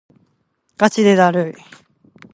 がちでだるい